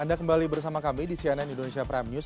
anda kembali bersama kami di cnn indonesia prime news